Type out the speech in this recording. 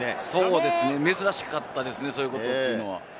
珍しかったですね、そういうことというのは。